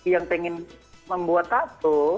yang ingin membuat tatu